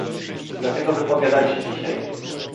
Dlatego wypowiadam się dzisiaj